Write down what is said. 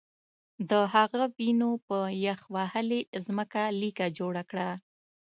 د هغه وینو په یخ وهلې ځمکه لیکه جوړه کړه